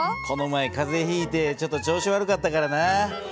この前かぜひいてちょっと調子悪かったからな。